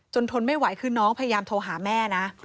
ทนไม่ไหวคือน้องพยายามโทรหาแม่นะ